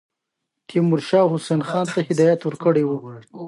تیمورشاه حسین خان ته هدایت ورکړی وو.